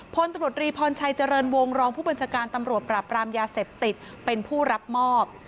พลตำรวจรีพรชัยเจริญวงรองผู้บัญชาการตำรวจปราบรามยาเสพติดเป็นผู้รับมอบ